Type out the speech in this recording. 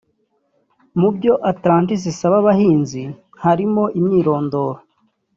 Mu byo Atlantis isaba abahinzi harimo imyirondoro